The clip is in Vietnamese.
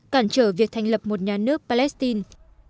cản trở việc thành lập một nhà nước palestine